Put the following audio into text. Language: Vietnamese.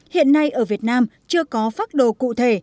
hiện nay ở việt nam chưa có phác đồ cụ thể